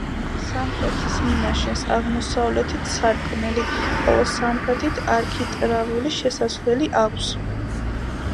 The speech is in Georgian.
სამხრეთის მინაშენს აღმოსავლეთით სარკმელი, ხოლო სამხრეთით არქიტრავული შესასვლელი აქვს.